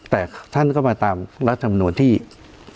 แต่ท่านก็มาตามรัฐมนุมที่อีก